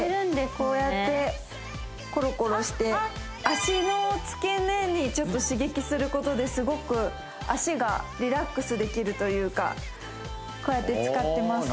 脚の付け根にちょっと刺激することですごく脚がリラックスできるというかこうやって使ってます